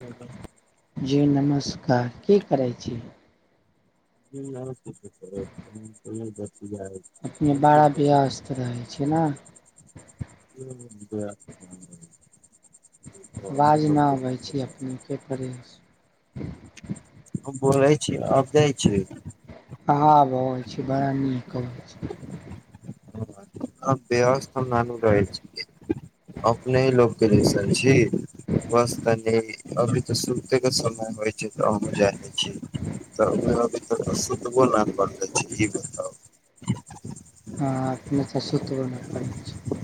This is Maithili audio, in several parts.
हम जी नमस्कार की करै छी नै कुछो करै छीयै ओने बैठ जाय छी अपने अहाँ की बड़ा करै छी व्यस्त रहै छी ने कियै आवाज न अबै छै अपने के फरेस हम बोलै छीयै आब जाय छै कहाँ छै हम व्यस्त ना नु रहै छीयै अपने ही लोकके जैसन छी बस तनी अभी तऽ सुते के समय होइ छै तऽ अहुँ जाइ छी तऽ अभी अभी त सुतबो न करलै छी ई बताउ हाँ अपने त सुतबौ न करै छी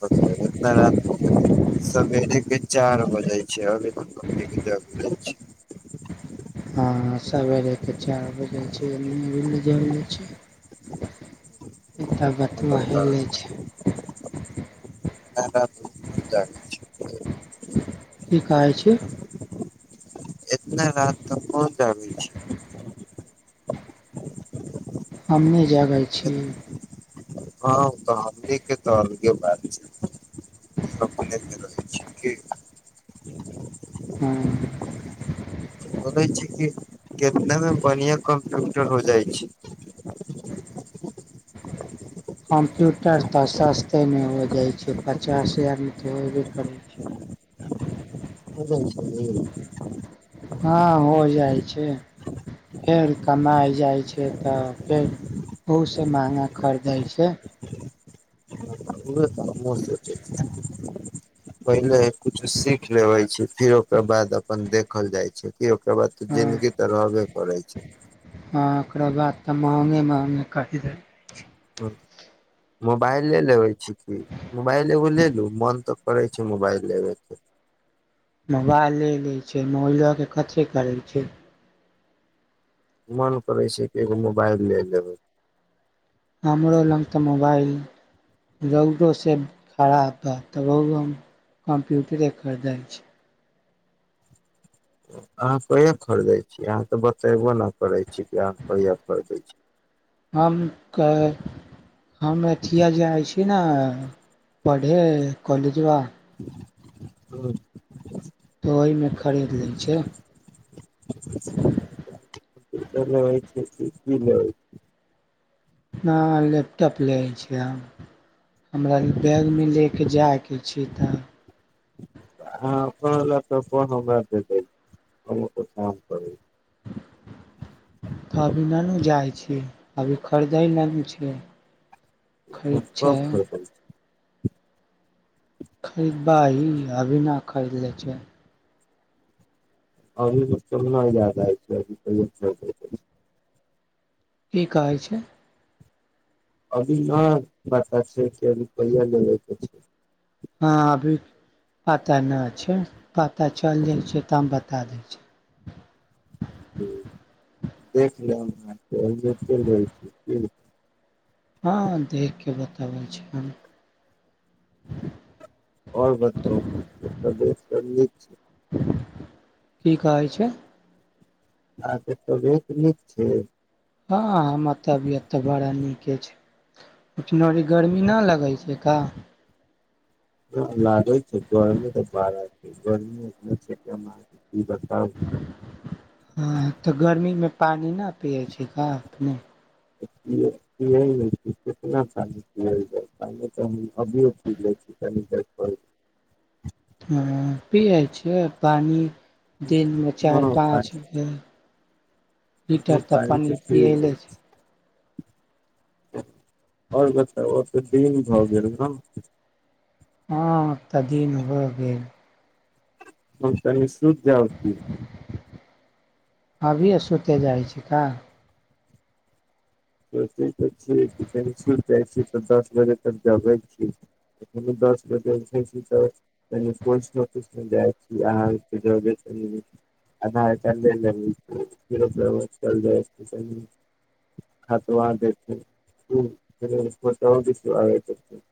बताव इतना रात के अभी सबेरे के चार बजे छै अभी हम अपने के जागले छी हाँ सबेरे के चार बजे छै अभी जगले छी छै एकटा बतबा बताउ हेलै छै इतना रात मे कोन [unintelligible] की कहै छी? एतना रात तऽ कोन जाबे छैय। हम नहि जाबै छी। हँ तऽ हमनी के तऽ अलगे बात छै। हमनी अपनेमे रहै छी की। हँ। बोलै छैय कि कितना मे बढ़िआं कम्प्यूटर हो जाइ छैय। कम्प्यूटर तऽ सस्ते में हो जाइ छैय। पचास हजारमे तऽ होयबे करै छैय। हो जाइ छै हँ हो जाइ छैय, फेर कमाइ जाइ छैय तऽ फेर ओहिसँ महँगा खरीदै छैय। उहे तऽ हमहुँ सोचे छी। पहिले कुछु सीख लेबे छी, फिर ओकर बाद अपन देखल जाइ छैय। कि ओकरा बाद तऽ जिन्दगी हँ तऽ रहबे करै छैय। ओकरा बाद तऽ महंगे-महंगे कहि देल छी। मोबाइल ले लेबै छी कि मोबाइल एगो ले लू मोन तऽ करै छैय मोबाइल लेबयके। मोबाइले लै छैय, मोबाइलोके कथी करै छैय। मन करै छैय कि एगो मोबाइल लए लेबै। हमरो लग तऽ मोबाइल रौउदोसँ खराब हए तब रोउदो हम कम्प्यूटरे खरीदै छी। अहाँ कहिया खरीदै छी। अहाँ तऽ बतयबो नहि करै छी कि अहाँ कहिया खरीदै छी। हम कहे हम अथिया जाइ छी ने पढ़ै कॉलेजवा [unintelligible] हूँ [unintelligible] तऽ ओहिमे खरीद लै छैय। कम्प्यूटर [unintelligible] [unintelligible] नहि लैपटॉप लै लय छी आब। हमरा बैग मे लेके जाइक [unintelligible] आ हाॅं, अपन वला पर कोनो बात नय छैय। हम अपन काम करै छी। तऽ अभी ननू जाइ छैय, अभी खरदैय लेनू छैय। कत्ता खरीदभी। खरीदबा ई अभी ना खरीदले छैय। अभी त चल नहि जादा छैय भी तऽ। की कहै छैय। अभी नय पता छै कि अभी कहिया रूपैया लेबै के छैय। हँ अभी पता नहि छै। पता चलय जाइ छैय तब बता दै छी। हुं देख लेहं [unintelligible] हँ देखि कऽ बताबै छी हम। औरर बताउ एता बैस करीयै छीय। की कहै छैय। आहाॅंक तबीयत नीक छैय। हँ तबियत तऽ बड़ा नीके एछ। ओठाम अभी गर्मी नहि लगै छैय का। लागे छैय गर्मी तऽ बारा। गर्मी अहिठाम छैय कमाल। हँ तऽ गर्मीमे पानि ना पिय छी का अपने। [unintelligible] हाँ पीयै छियै पानि दिनमे चारि हँ पाँच ग्लास पानी लीटर तऽ पानि पीयै लै छी आओर बताउ अब तऽ दिन भऽ गेल न हँ अब तऽ दिन भऽ गेल हम तनि सुत जाउ की अभियै सुते जाइ छी का सोचयै छी की कनि सुत जाइ छी तऽ दस बजे तक जागै छी दस बजे उठै छी तऽ कनि पोस्टऑफिस जाइ छी अहाँ जरे आधा घंटा लए लेबै फेर चलि जाइ छी खाता आर देखु फेर फोटो घींचवाबै के छै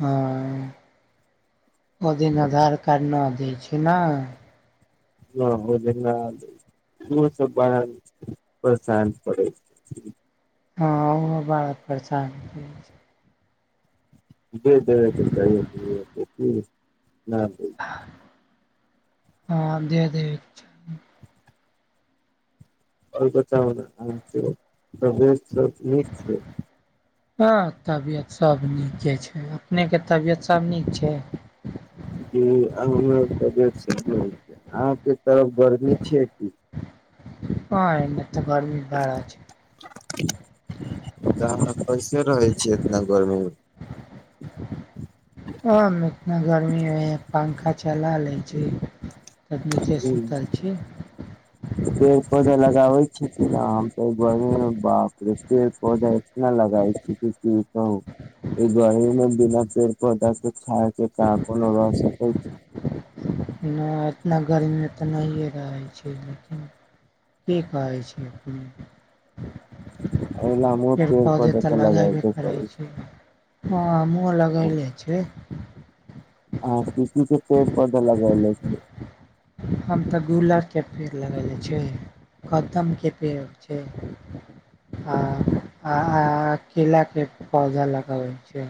हँ ओ दिन आधार कार्ड न दै छै न हँ ओ जेना सब बड़ा परेशान करै छै हँ ओहो बड़ा परेशान करै छै दे दैबै के चाही [unintelligible] ना दैय हँ दे दैब आओर न अहाँके तबीयत सब नीक छै हँ तबियत सभ नीके छै अपनेके तबियत सभ नीक छै जी हमर तबियतसँ सब नीक छै अहाँके तरफ गर्मी छै की हँ एन्ने तऽ अहाँ कैसे रहै छै ईतना गर्मी हम इतना गर्मीमे पंखा चला लै छै हूँ ओहो पौधा लगाबै छी हम त गर्मीमे बापे रे पेड़ पौधा इतना लगाबै छी की कहू एहि गर्मीमे बिना पेड़ पौधा के छाया के कोनो रह सकै छी न इतना गर्मीमे तऽ नहिए रहै छै लेकिन की कहै छै अपने एहिना हमहूँ त पेड़ पेड़-पौधे पौधा तऽ त लगेबे लगेबै करै छी छै [unintelligible] लगैले छै कसी के पेड़ पौधा लगेले छी हम तऽ गुलरके पेड़ लगैले छियै कदमके पेड़ छै आ- आ केलाके पौधा लगाबै छियै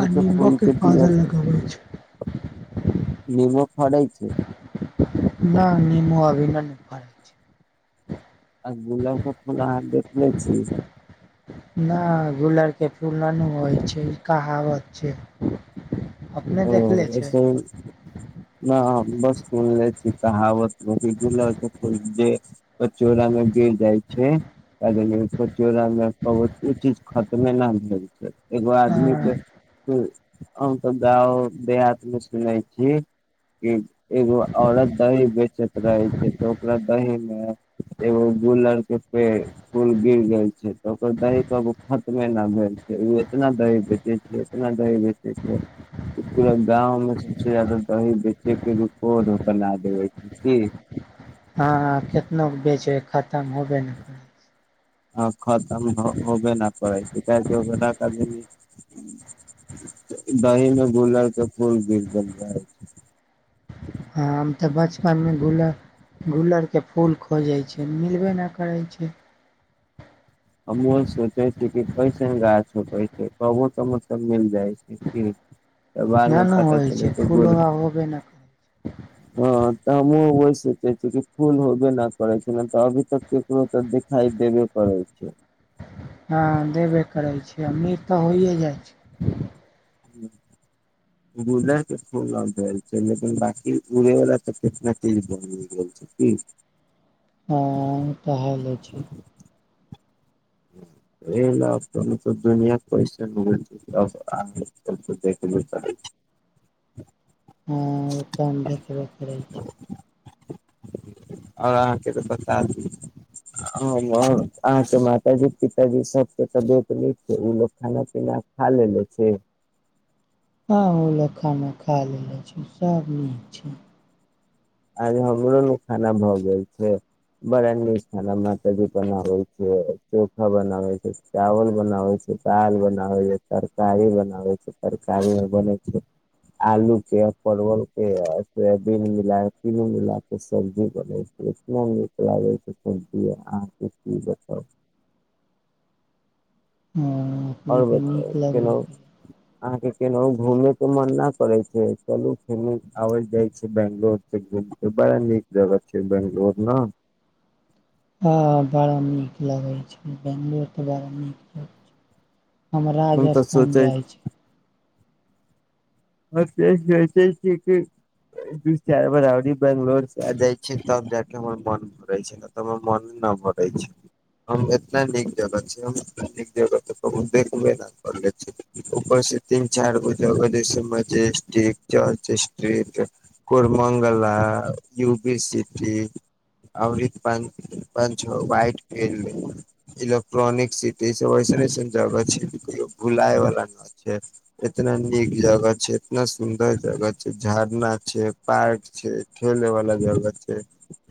आ के फूल नीमके के पौधा लगाबै छै नेबो फड़ै छै न नेमो अभी न फड़ै छै आ गुलाबके फूल अहाँ देखने छी ना गुलर के फूल ना नू होइ छै ई कहावत छै अपने ओ देखले छै ओसे ना बस हम सुनले छी कहावत गुलर के फूल जे चौरा मे गिर जाइ छै चौरामे बहुते चीज खत ओमे ना भेल छै एगो आदमी हँ के हम सब गाँव देहात मे सुने छी की एगो औरत दही बेचैत रहै छै तऽ ओकरा दही में एगो गुलर के पेड़ फूल गिर गेल छै तऽ ओकर दही [unintelligible] खत्मे न भेल छै उ एतना दही बेचे छै एतना दही बेचे छै पूरा गाँव मे सबसे ज्यादा दही बेचे के रुपो बना देबै की हाँ हाँ कितनो के बेचबै खतम होबे न करै हँ खतम हो होबे न करै छै काहे की ओकर दही मे गुलर के फूल गिर गेल रहै छै हँ हम तऽ बचपनमे गुलर गुलरके फूल खोजै छलियै मिलबे न करै छै हमहूँ सोचे छी कि कैसन गाछ होकै छै कहूँ तऽ मतलब मिल जाइ छै की तऽ बाद न मे नऽ पता होइ छै चले फूल गोल आ होब नऽ हँ तऽ हमहुूँ ओहि सोचै छै की फूल होबे नहि करै छै नहि तऽ अभी तक केकरो तऽ देखाइ देबे करै छै हँ देबे करै छै अम्मीक तऽ होइए जाइ छै गुलर के फूल न भेल छै बांकी उरेवला तऽ कितना चीज बन गेल छै की हँ तऽ हाले छै [unintelligible] हँ ओ तऽ हम देखबे करै छी आओर अहाँके तऽ बता दी हम अहाँके माताजी पिताजी सबके तबियत नीक छै ओ लोक खाना पीना खा लेलेे छै हँ उ लोक खाना खा लेले छै सब नीक छै आ हमरो खाना भऽ गेल छै बड़ा नीक खाना मात जी बनाबै छै चोखा बनाबै छै चावल बनाबै छै दाल बनाबै छै तरकारी बनाबै छै तरकारी छै आलू के परवल के सोयाबीन मिला तीनों मिला के सब्जी बनै छै इतना नीक लागे छै सब्जी अहाँके की बताउ हँ अपनेके नीक लगलै अहाँके केनाहूँ घूमैके मन न करै छै चलू घुमि आबल जाइ छै बैंगलोर से बड़ा नीक जगह छै बंगलोर न हँ बड़ा नीक लगै छै बेंगलोर तऽ बड़ा नीक लगै छै हम तऽ राजस्थान सोचे जाइ छी दू चारि बारी बंगलोर से आ जाइ छी तब जा के हमर मन भरै छै नै तऽ हमर मन नहि भरै छै हम एतना नीक जगह छै हम नीक जगह कहूँ देखबे न करले छी ऊपर से तीन चार गो जगह जे छै मजेस्टिक चर्च स्ट्रीट कोरमंगला यूबी सिटी अमृत प- पञ्च वहाइट फड इलेक्ट्रॉनिक सिटी ई सब ऐसन ऐसन जगह छै को भुलाय वला न छै एतना नीक जगह छै इतना सुन्दर जगह छै झरना छै पार्क छै खेले वला जगह छै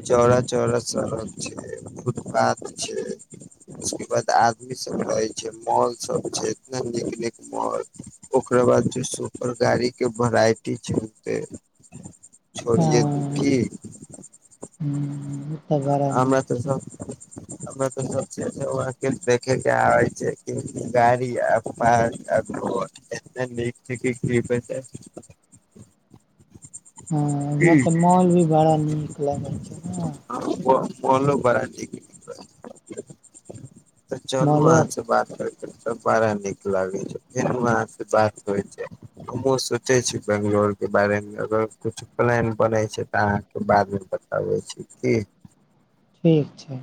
चौड़ा चौड़ा सड़क छै फुटपाथ छै उसके बाद आदमी सब रहै छै मॉल सब छै एतना नीक नीक मॉल ओकरा बाद आओर गाड़ी के भेराइटी छै ओत्ते हँ छोड़ीयौ दू की [inaudible] हूँ, तऽ बड़ा नीक छै हमरा तऽ सब चीज उहाँ के देखेके आएल छै की गाड़ी आ पार्क आ घर एत्ते नीक छै की [unintelligible] हँ की वहाँ तऽ मॉल भी बड़ा नीक लगै छै न मॉल बड़ा नीक तऽ चलू मॉलो अहाँ से बात कर सब बारा नीक लागे छै फेरो अहाँ से बात होइ छै हमहूँ सोचै छी बेंगलोरके बारेमे अगर किछु प्लान बनै छै तऽ अहाँके बादमे बताबै छी की ठीक छै